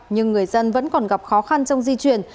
nhưng người dân vẫn còn gặp khó khăn trong di chuyển